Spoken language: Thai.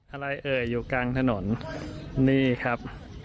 อะไรเอ่ยอยู่กลางถนนนี่ครับ